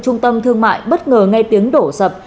trung tâm thương mại bất ngờ ngay tiếng đổ sập